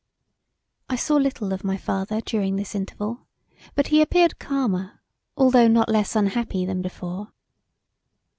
I saw little of my father during this interval, but he appeared calmer although not less unhappy than before.